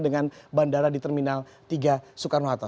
dengan bandara di terminal tiga soekarno hatta